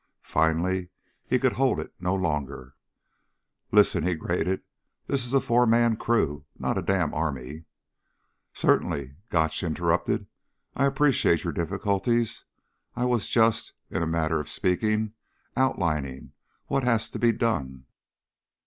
Finally he could hold it no longer. "Listen," he grated, "this is a four man crew, not a damn army." "Certainly," Gotch interrupted, "I appreciate your difficulties. I was just in a manner of speaking outlining what has to be done."